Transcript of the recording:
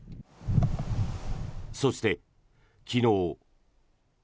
そして、昨日。